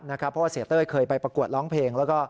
เพราะเซียเต้ยเคยไปประกวดร้องเพลง